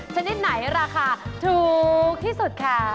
ชนิดไหนราคาถูกที่สุดค่ะ